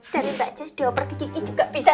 dari mbak cis dua per tiga kiki juga bisa